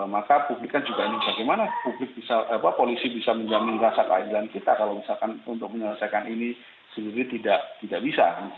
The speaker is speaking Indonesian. maka publik kan juga ingin bagaimana polisi bisa menjamin rasa keadilan kita kalau misalkan untuk menyelesaikan ini sendiri tidak bisa